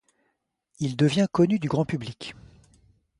Il devient connu du grand public.